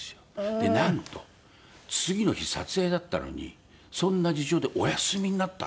でなんと次の日撮影だったのにそんな事情でお休みになったんですね。